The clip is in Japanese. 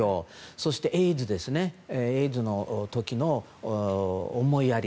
そして、エイズの時の思いやり。